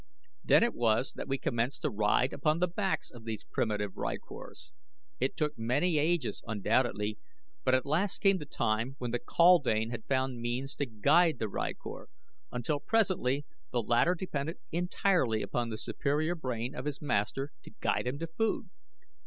Then it was that we commenced to ride upon the backs of these primitive rykors. It took many ages, undoubtedly, but at last came the time when the kaldane had found means to guide the rykor, until presently the latter depended entirely upon the superior brain of his master to guide him to food.